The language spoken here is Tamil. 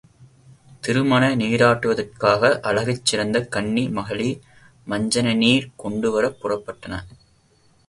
திருமண நீராட்டுவதற்காக அழகிற் சிறந்த கன்னி மகளிர் மஞ்சனநீர் கொண்டுவரப் புறப்பட்டனர்.